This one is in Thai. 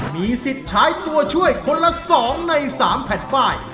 มีสิทธิ์ใช้ตัวช่วยคนละ๒ใน๓แผ่นป้าย